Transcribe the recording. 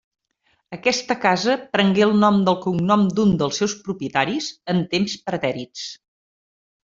Aquesta casa prengué el nom del cognom d'un dels seus propietaris, en temps pretèrits.